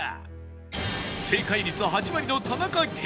正解率８割の田中圭